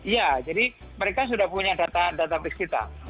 ya jadi mereka sudah punya data basic kita